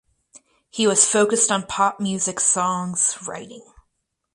He was focused on pop music songs writing.